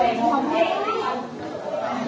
เยี่ยมเยินรักษาของบท